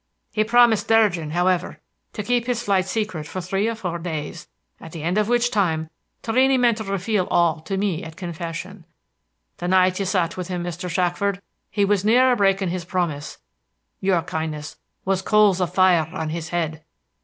He promised Durgin, however, to keep his flight secret for three or four days, at the end of which time Torrini meant to reveal all to me at confession. The night you sat with him, Mr. Shackford, he was near breaking his promise; your kindness was coals of fire on his head.